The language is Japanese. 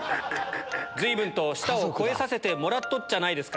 ずいぶんと舌を肥えさせてもらっとっちゃないですか。